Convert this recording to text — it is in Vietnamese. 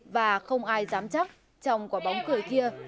và không ai dám chắc trong quả bóng cười kia